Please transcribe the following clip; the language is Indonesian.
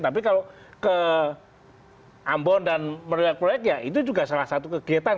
tapi kalau ke ambon dan merayak proyek ya itu juga salah satu kegiatan